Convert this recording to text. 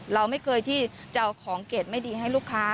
เราไม่เคยที่จะเอาของเกรดไม่ดีให้ลูกค้า